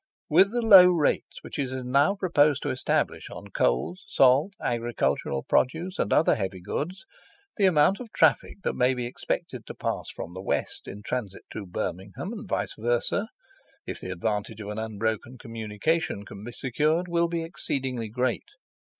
With the low rates which it is now proposed to establish on coals, salt, agricultural produce, and other heavy goods, the amount of traffic that may be expected to pass from the west in transit through Birmingham, and vice versa, if the advantage of an unbroken communication can be secured, will be exceedingly great.